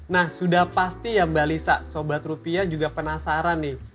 nah sudah pasti ya mbak lisa sobat rupiah juga penasaran nih